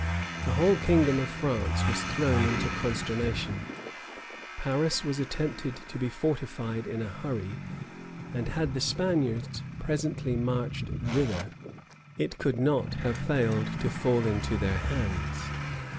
The whole kingdom of France was thrown into consternation: Paris was attempted to be fortified in a hurry: and had the Spaniards presently marched thither, it could not have failed to fall into their hands.